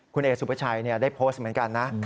คุณเอสุภาชัยได้โพสต์เหมือนกันนะ